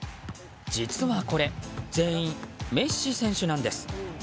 実はこれ、全員メッシ選手なんです。